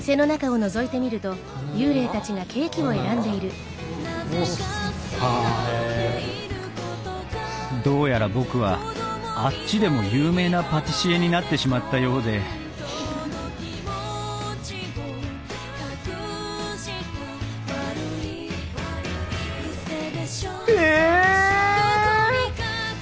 そしてどうやら僕は「あっち」でも有名なパティシエになってしまったようでえ！